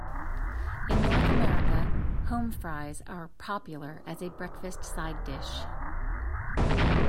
In North America, home fries are popular as a breakfast side dish.